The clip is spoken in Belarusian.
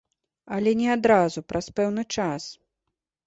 Але не адразу, праз пэўны час.